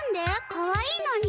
かわいいのに。